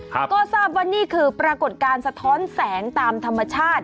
ก็ทราบว่านี่คือปรากฏการณ์สะท้อนแสงตามธรรมชาติ